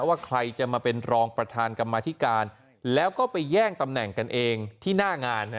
ว่าใครจะมาเป็นรองประธานกรรมธิการแล้วก็ไปแย่งตำแหน่งกันเองที่หน้างาน